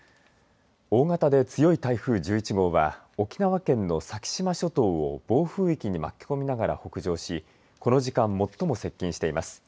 大型で強い台風１１号は沖縄県の先島諸島を暴風域に巻き込みながら北上しこの時間最も接近しています。